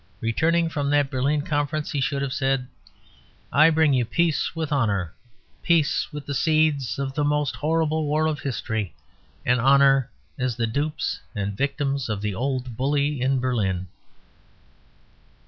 Returning from that Berlin Conference he should have said, "I bring you Peace with Honour; peace with the seeds of the most horrible war of history; and honour as the dupes and victims of the old bully in Berlin."